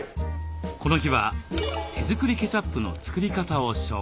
この日は手作りケチャップの作り方を紹介。